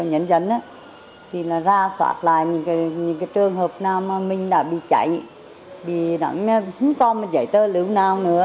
nhân dân ra soát lại những trường hợp nào mình đã bị chạy bị hư hỏng giấy tờ lưỡng nào nữa